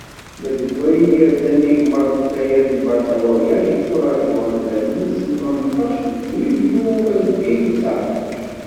Ma deg wayen yerzan igemmaḍ n ukayad n bakalurya, yetturaǧu ad d-bannen ass tmenṭac deg yulyu alfin u seεṭac.